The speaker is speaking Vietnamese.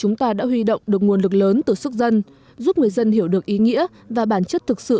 những kết quả đã huy động được nguồn lực lớn từ sức dân giúp người dân hiểu được ý nghĩa và bản chất thực sự